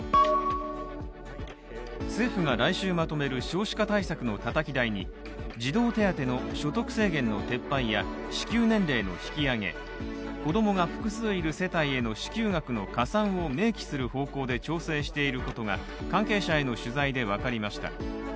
政府が来週まとめる少子化対策のたたき台に、児童手当の所得制限の撤廃や支給年齢の引き上げ子供が複数いる世帯への支給額の加算を明記する方向で調整していることが関係者への取材で分かりました。